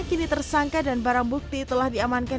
kini tersangka dan barang bukti telah diamankan